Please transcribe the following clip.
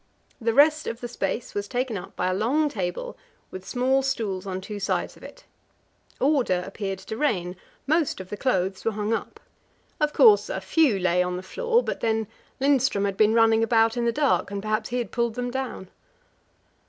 The rest of the space was taken up by a long table, with small stools on two sides of it. Order appeared to reign; most of the clothes were hung up. Of course, a few lay on the floor, but then Lindström had been running about in the dark, and perhaps he had pulled them down.